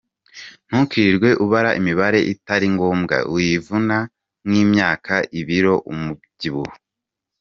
Ntukirirwe ubara imibare itaringombwa wivuna nk’imyaka , ibiro, umubyibuho.